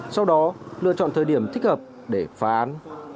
sau đó lựa chọn thời điểm thích hợp để phá án